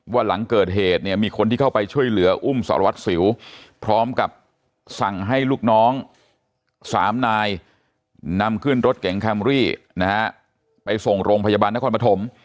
หลังเกิดเหตุเนี่ยมีคนที่เข้าไปช่วยเหลืออุ้มสารวัตรสิวพร้อมกับสั่งให้ลูกน้อง๓นายนำขึ้นรถเก๋งแคมรี่นะฮะไปส่งโรงพยาบาลนครปฐม